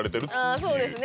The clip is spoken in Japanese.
あぁそうですね